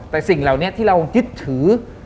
แต่สิ่งเหล่านี้ที่เรายึดถือ